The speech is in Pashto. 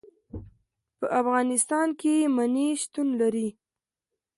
په افغانستان کې منی شتون لري.